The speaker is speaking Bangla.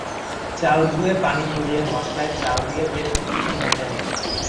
চাল ধুয়ে পানি ঝরিয়ে মসলায় চাল দিয়ে বেশ কিছুক্ষণ ভেজে নিন।